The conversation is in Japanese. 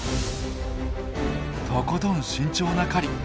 とことん慎重な狩り。